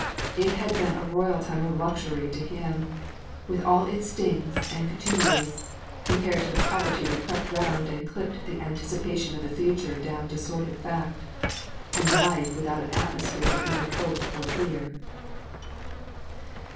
It had been a royal time of luxury to him, with all its stings and contumelies, compared to the poverty that crept round and clipped the anticipation of the future down to sordid fact, and life without an atmosphere of either hope or fear.